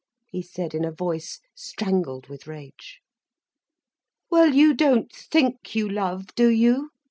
he said in a voice strangled with rage. "Well you don't think you love, do you?"